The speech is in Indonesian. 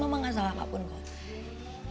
ngomong gak salah apapun kok